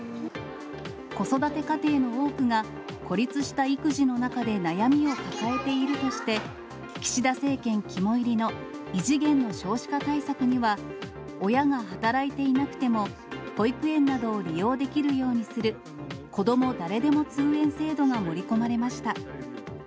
子育て家庭の多くが、孤立した育児の中で悩みを抱えているとして、岸田政権肝煎りの異次元の少子化対策には、親が働いていなくても、保育園などを利用できるようにするこども誰でも通園制度が盛り込まれました。